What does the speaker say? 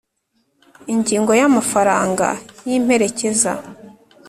Ingingo ya Amafaranga y imperekeza